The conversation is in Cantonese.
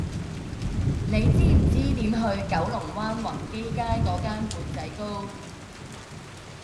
你知唔知點去九龍灣宏基街嗰間缽仔糕